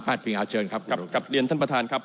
พาสพิงอาจเชิญครับ